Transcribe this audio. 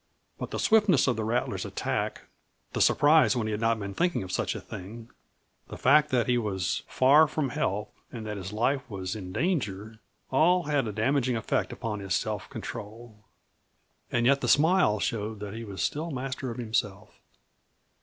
But the swiftness of the rattler's attack, the surprise when he had not been thinking of such a thing, the fact that he was far from help and that his life was in danger all had a damaging effect upon his self control. And yet the smile showed that he was still master of himself.